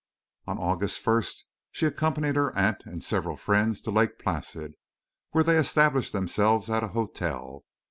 On August 1st she accompanied her aunt and several friends to Lake Placid, where they established themselves at a hotel.